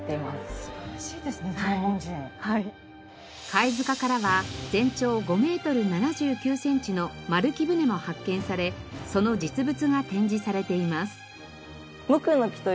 貝塚からは全長５メートル７９センチの丸木舟も発見されその実物が展示されています。